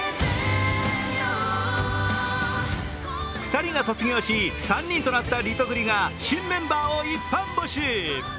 ２人が卒業し３人となったリトグリが新メンバーを一般募集。